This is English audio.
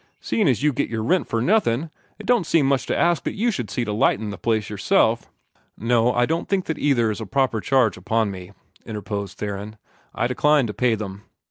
Seein' as you get your rent for nothin', it don't seem much to ask that you should see to lightin' the place yourself." "No, I don't think that either is a proper charge upon me," interposed Theron. "I decline to pay them."